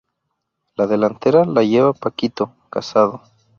La delantera la lleva Paquito Casado.